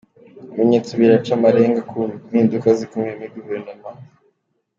Ibimenyetso biraca amarenga ku mpinduka zikomeye muri Guverinoma